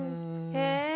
へえ。